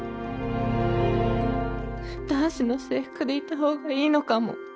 男子の制服で行った方がいいのかも。